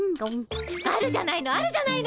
あるじゃないのあるじゃないの。